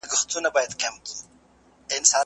دا هغه بحثونه دي چي نن سبا موږ ورباندې بوخت يو.